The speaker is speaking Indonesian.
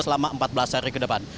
selama empat belas hari ke depan